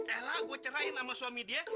elah gue cerain sama suami dia